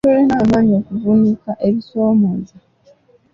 Tulina amaanyi okuvvuunuka ebisoomooza.